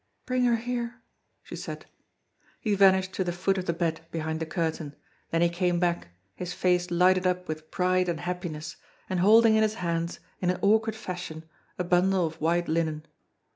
"Bring her here," she said. He vanished to the foot of the bed behind the curtain, then he came back, his face lighted up with pride and happiness, and holding in his hands, in an awkward fashion, a bundle of white linen.